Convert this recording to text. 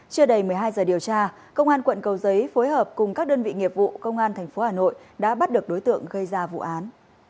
chưa đầy một mươi hai giờ điều tra công an quận cầu giấy phối hợp cùng các đơn vị nghiệp vụ công an tp hà nội đã bắt được đối tượng gây ra vụ án